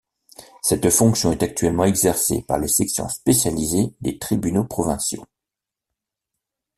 Cette fonction est actuellement exercée par les sections spécialisées des tribunaux provinciaux.